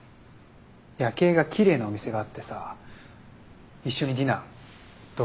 夜景がきれいなお店があってさ一緒にディナーどうかな。